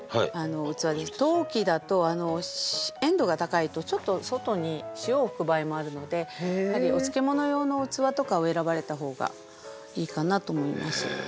陶器だと塩度が高いとちょっと外に塩を吹く場合もあるのでやっぱりお漬物用の器とかを選ばれた方がいいかなと思います。